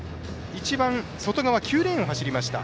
一番外側、９レーンを走りました。